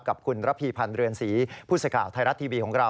กับคุณระภีพันธ์เรือนสีพุศก่าวไทยรัฐทีบีของเรา